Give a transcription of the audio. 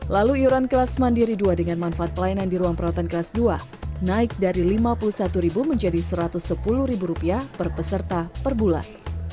lalu iuran kelas mandiri dua dengan manfaat pelayanan di ruang perawatan kelas dua naik dari rp lima puluh satu menjadi rp satu ratus sepuluh per peserta per bulan